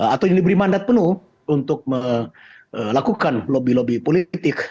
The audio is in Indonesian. atau yang diberi mandat penuh untuk melakukan lobby lobby politik